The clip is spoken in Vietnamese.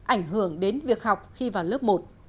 ảnh hưởng đến việc học khi vào lớp một